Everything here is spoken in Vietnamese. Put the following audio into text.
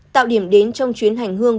tạo điểm đến trong chuyến hành hương